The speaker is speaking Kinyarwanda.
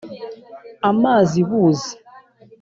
• amazi buzi.